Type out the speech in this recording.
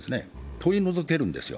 取り除けるんですよ、